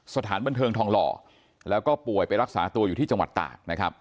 สถานบันเทิงทองหล่อแล้วก็ป่วยไปรักษาตัวอยู่ที่จังหวัดตากนะครับ